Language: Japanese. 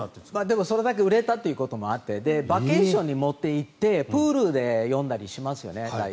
でもそれだけ売れたということもあってバケーションに持っていってプールで読んだりしますよね。